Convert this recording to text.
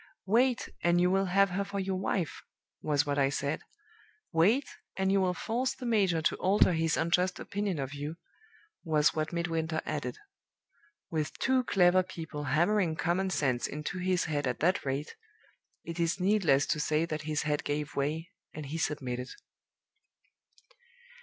'Wait, and you will have her for your wife,' was what I said. 'Wait, and you will force the major to alter his unjust opinion of you,' was what Midwinter added. With two clever people hammering common sense into his head at that rate, it is needless to say that his head gave way, and he submitted.